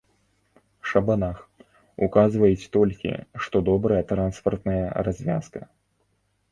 Шабанах, указваюць толькі, што добрая транспартная развязка.